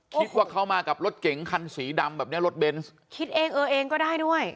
คิดว่าเขามากับรถเก๋งคันสีดำแบบเนี้ยรถเบนส์คิดเองเออเองก็ได้ด้วย